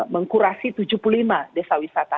mengkurasi tujuh puluh lima desa wisata